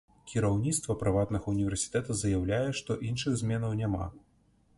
Кіраўніцтва прыватнага ўніверсітэта заяўляе, што іншых зменаў няма.